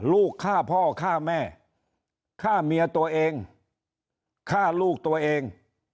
ลูกฆ่าพ่อฆ่าแม่ฆ่าเมียตัวเองฆ่าลูกตัวเอง